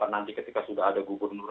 nanti ketika sudah ada gubernur